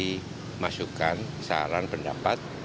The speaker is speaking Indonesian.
dimasukkan saran pendapat